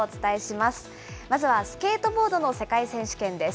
まずはスケートボードの世界選手権です。